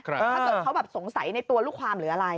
ถ้าเขาสงสัยในตัวลูกความหรืออะไร